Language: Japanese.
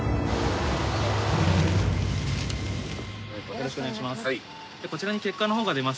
よろしくお願いします。